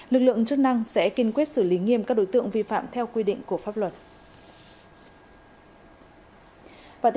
lực lượng chức năng sẽ kiên quyết xử lý nghiêm các đối tượng vi phạm theo quy định của pháp luật